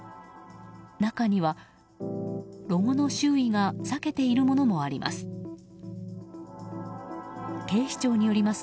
中にはロゴの周囲が裂けているものもあります。